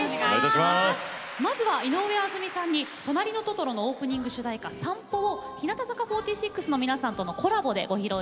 まずは井上あずみさんに「となりのトトロ」のオープニング主題歌「さんぽ」を日向坂４６の皆さんとのコラボでご披露頂きます。